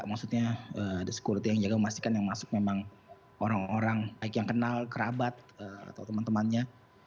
maksudnya ada security yang jaga memastikan yang masuk memang orang orang baik yang kenal kerabat atau teman temannya